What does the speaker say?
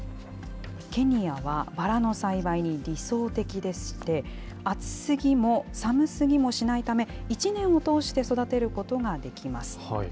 ケニアはバラの栽培に理想的でして、暑すぎも寒すぎもしないため、１年を通して育てることができます。